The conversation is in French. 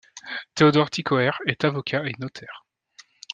Théodore Tichauer est avocat et notaire.